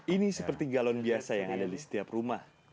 ini seperti galon biasa yang ada di setiap rumah